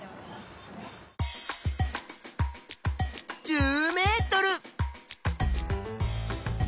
１０ｍ！